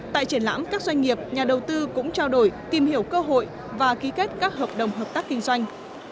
tại triển lãm các doanh nghiệp nhà đầu tư cũng trao đổi tìm hiểu cơ hội và ký kết các hợp đồng hợp tác kinh doanh